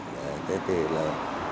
đấy thì là